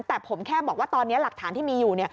แต่ผมแค่บอกว่าตอนนี้หลักฐานที่มีอยู่